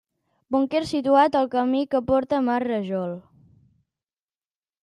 Búnquer situat al camí que porta al mas Rajol.